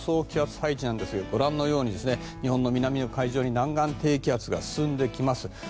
気圧配置なんですが日本の南の海上に南岸低気圧が進んできます。